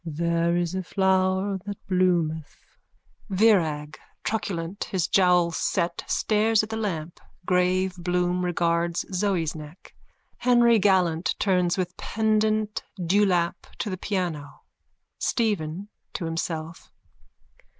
_ There is a flower that bloometh. _(Virag truculent, his jowl set, stares at the lamp. Grave Bloom regards Zoe's neck. Henry gallant turns with pendant dewlap to the piano.)_ STEPHEN: _(To himself.)